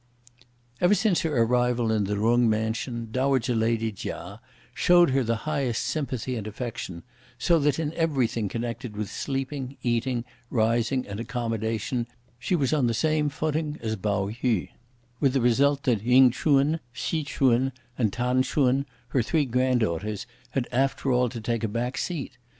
Ever since her arrival in the Jung mansion, dowager lady Chia showed her the highest sympathy and affection, so that in everything connected with sleeping, eating, rising and accommodation she was on the same footing as Pao yü; with the result that Ying Ch'un, Hsi Ch'un and T'an Ch'un, her three granddaughters, had after all to take a back seat.